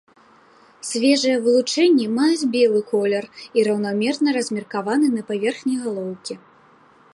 Свежыя вылучэнні маюць белы колер і раўнамерна размеркаваны на паверхні галоўкі.